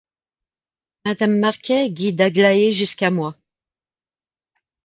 Madame Marquet guide Aglaé jusqu’à moi.